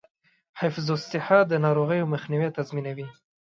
حفظ الصحه د ناروغیو مخنیوی تضمینوي.